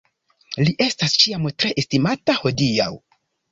Li estas ĉiam tre estimata hodiaŭ.